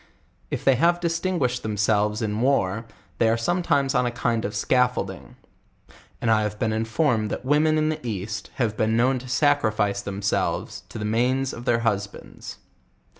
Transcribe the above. If they have distin guished themselves in war, they ore sometimes on a kind of scaffolding; and I have been informed that women in the east, have been known to sacrifice themselves to the nianes of their husbands.